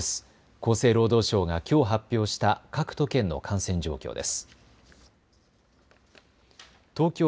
厚生労働省がきょう発表した各都県の感染状況です。